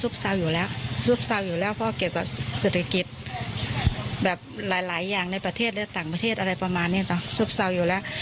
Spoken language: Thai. ขอฝากนักท่องเที่ยวว่าเมืองแม่สายมันไม่น่ากลัวอย่างที่สื่อเขาพูดกัน